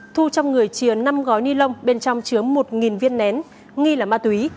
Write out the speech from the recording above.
thu trong người chia năm gói ni lông bên trong chứa một viên nén nghi là ma túy